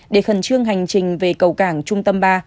để khẩn trương hành trình về cầu cảng trung tâm ba